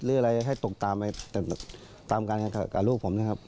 หรืออะไรให้ตกตามไปตามการแข่งกับลูกผมนะครับ